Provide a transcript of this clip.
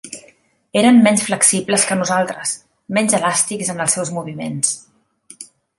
Eren menys flexibles que nosaltres, menys elàstics en els seus moviments.